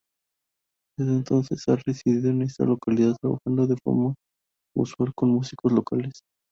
Desde entonces, ha residido en esta localidad, trabajando de forma usual con músicos locales.